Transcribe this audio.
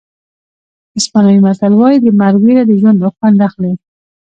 اسپانوي متل وایي د مرګ وېره د ژوند خوند اخلي.